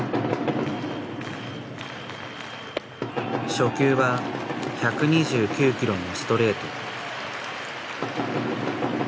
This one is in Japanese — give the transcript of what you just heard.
初球は１２９キロのストレート。